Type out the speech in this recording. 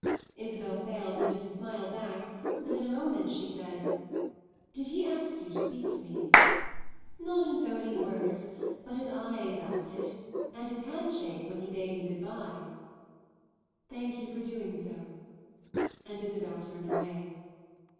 Isabel failed even to smile back and in a moment she said: "Did he ask you to speak to me?" "Not in so many words. But his eyes asked it and his handshake, when he bade me good bye." "Thank you for doing so." And Isabel turned away.